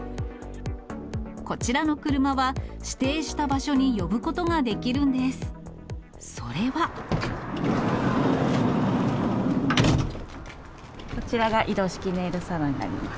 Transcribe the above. こちらの車は、指定した場所に呼ぶことができるんです。